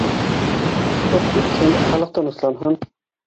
Суд үтһен, халыҡ тынысланһын...